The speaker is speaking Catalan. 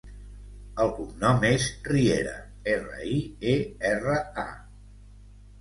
El cognom és Riera: erra, i, e, erra, a.